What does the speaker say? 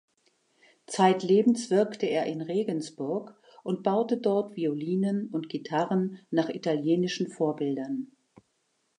Zeitlebens wirkte er in Regensburg und baute dort Violinen und Gitarren nach italienischen Vorbildern.